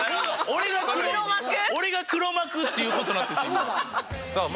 俺が黒幕っていう事になってるんですよ今。